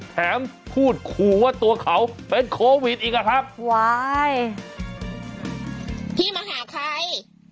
แถมพูดขู่ว่าตัวเขาเป็นโควิดอีกอะครับว้ายพี่มาหาใคร